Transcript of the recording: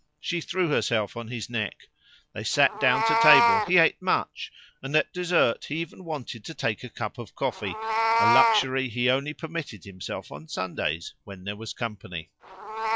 She threw herself on his neck; they sat down to table; he ate much, and at dessert he even wanted to take a cup of coffee, a luxury he only permitted himself on Sundays when there was company.